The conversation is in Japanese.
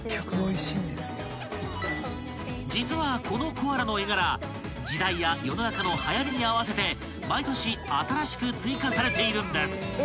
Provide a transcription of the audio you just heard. ［実はこのコアラの絵柄時代や世の中のはやりに合わせて毎年新しく追加されているんです］